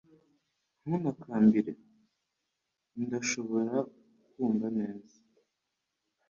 Ntuntakambire. Ndashobora kukumva neza.